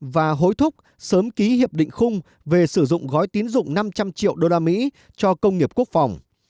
và hối thúc sớm ký hiệp định khung về sử dụng gói tín dụng năm trăm linh triệu đô la mỹ cho công nghiệp quốc phòng